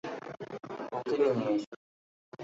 ওকে নিয়ে এসো।